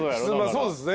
そうですね。